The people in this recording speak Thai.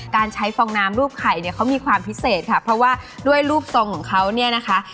การใช้ฟองน้ำรูปไข่เขามีความพิเศษค่ะเพราะว่าด้วยรูปทรงของเขา